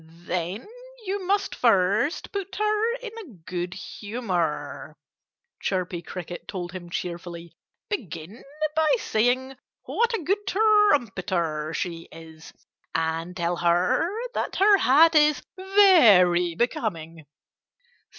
"Then you must first put her in a good humor," Chirpy Cricket told him cheerfully. "Begin by saying what a good trumpeter she is and tell her that her hat is very becoming."